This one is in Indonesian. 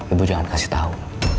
ibu jangan kasih tau